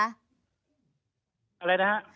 อะไรนะครับ